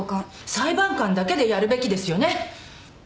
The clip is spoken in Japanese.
裁判官だけでやるべきですよね。